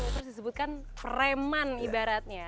terus disebutkan preman ibaratnya